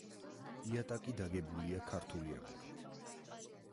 იატაკი დაგებულია ქართული აგურით.